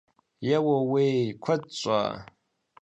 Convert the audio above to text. Еууей! Куэд щӏа?